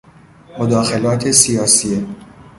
مداخلات سیاسیه